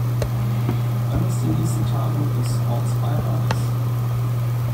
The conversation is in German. Wann ist die nächste Tagung des Ortsbeirates?